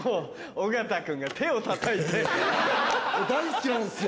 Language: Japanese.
俺大好きなんですよ